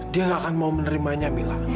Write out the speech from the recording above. dia gak akan mau menerimanya mila